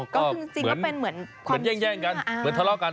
ก็คือจริงเป็นเหมือนความเชื่ออ้าง